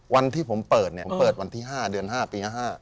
วันที่ผมเปิดเนี่ยเปิดวันที่๕เดือน๕ปี๕๕